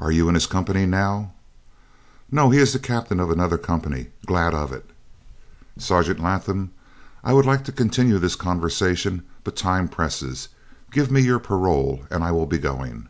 "Are you in his company now?" "No; he is the captain of another company. Glad of it." "Sergeant Latham, I would like to continue this conversation, but time presses. Give me your parole, and I will be going."